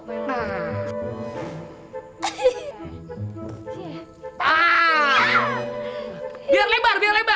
biar lebar biar lebar